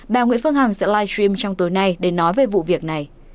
bà nguyễn phương hằng sẽ live stream trong tối nay để nói về vụ việc này